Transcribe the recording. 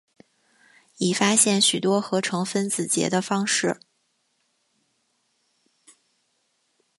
已发现许多合成分子结的方式。